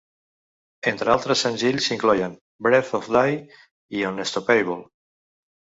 Entre altres senzills, s'incloïen "Breathe or Die" i "Unstoppable".